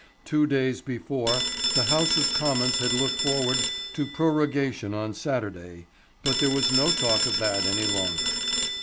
Two days before the House of Commons had looked forward to prorogation on Saturday, but there was no talk of that any longer.